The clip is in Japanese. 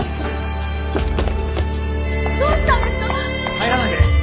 入らないで！